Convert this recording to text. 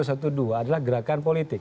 adalah gerakan politik